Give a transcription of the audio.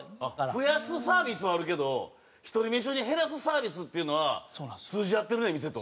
増やすサービスはあるけどひとり飯用に減らすサービスっていうのは通じ合ってるね店と。